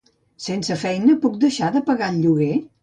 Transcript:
Sense feina, puc deixar de pagar el lloguer?